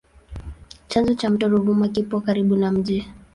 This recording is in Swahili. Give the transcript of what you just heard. Chanzo cha mto Ruvuma kipo karibu na mji.